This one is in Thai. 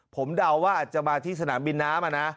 ผมเดาว่าอาจจะมาที่สนามบินน้ำ